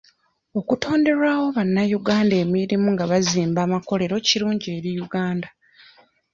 Okutonderawo bannayuganda emirimu nga bazimba amakolero kirungi eri Uganda.